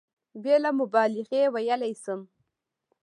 بېله مبالغې ویلای شم.